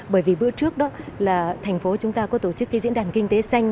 bởi vì bữa trước đó là thành phố chúng ta có tổ chức cái diễn đàn kinh tế xanh